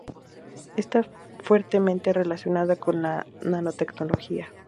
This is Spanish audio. Está fuertemente relacionada con la Nanotecnología.